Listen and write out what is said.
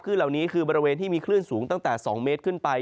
เหล่านี้คือบริเวณที่มีคลื่นสูงตั้งแต่๒เมตรขึ้นไป